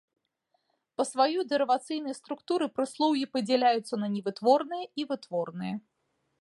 Па сваёй дэрывацыйнай структуры прыслоўі падзяляюцца на невытворныя і вытворныя.